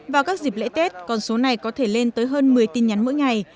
vào các dịp lễ tết con số này có thể lên tới hơn một mươi tin nhắn mỗi ngày